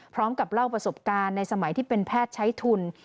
พร้อมกับเล่าประสบการณ์ในสมัยที่เป็นแพทย์ใช้ทุน